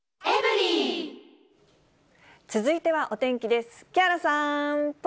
続いてはお天気です。